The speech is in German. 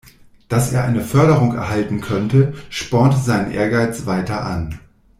Dass er eine Förderung erhalten könnte, spornt seinen Ehrgeiz weiter an.